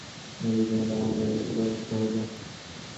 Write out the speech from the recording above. পরদিন হইতে বিপিনের আহারাদির সুব্যবস্থা হইল।